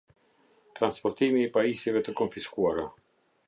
Transportimi i Pajisjeve të Konfiskuara